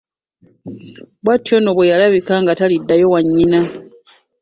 Bw'atyo nno bwe yalabika nga taliddayo wa nnyina.